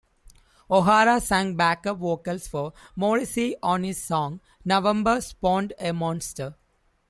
O'Hara sang backup vocals for Morrissey on his song, "November Spawned a Monster".